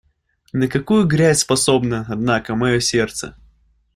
На какую грязь способно, однако, мое сердце!